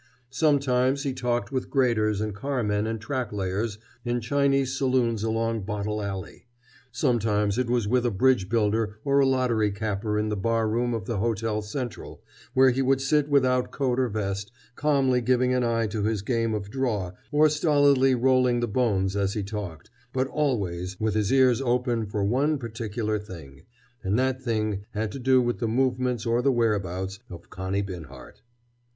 Sometimes he talked with graders and car men and track layers in Chinese saloons along Bottle Alley. Sometimes it was with a bridge builder or a lottery capper in the bar room of the Hotel Central, where he would sit without coat or vest, calmly giving an eye to his game of "draw" or stolidly "rolling the bones" as he talked—but always with his ears open for one particular thing, and that thing had to do with the movements or the whereabouts of Connie Binhart.